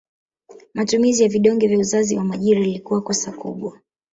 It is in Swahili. Matumizi ya vidonge vya uzazi wa majira lilikuwa kosa kubwa